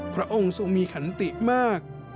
พระองค์ทรงมีขันติมาก